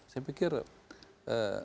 saya pikir harus ada karakter